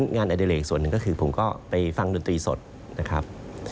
อดิเลกส่วนหนึ่งก็คือผมก็ไปฟังดนตรีสดนะครับ